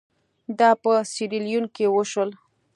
دا په سیریلیون کې وشول.